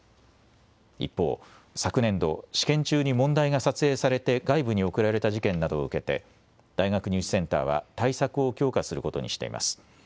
一方、昨年度試験中に問題が撮影されて外部に送られた事件などを受けて大学入試センターは対策を強化することにしています。